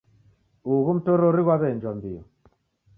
Ughu mtorori ghwaw'eenjwa mbio.